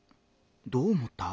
どう思った？